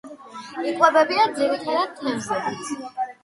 იკვებებიან ძირითადად თევზებით.